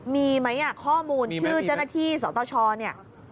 มีไหมข้อมูลชื่อเจ้าหน้าที่สตชเนี่ย